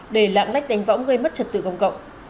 để lạng lách đánh võng gây mất trật tự công cộng